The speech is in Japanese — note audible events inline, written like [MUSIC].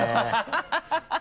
ハハハ [LAUGHS]